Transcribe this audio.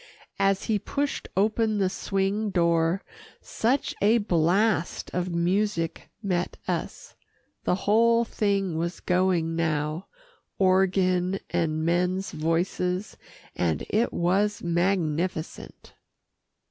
As he pushed open the swing door, such a blast of music met us. The whole thing was going now organ and men's voices, and it was magnificent.